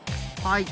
はい！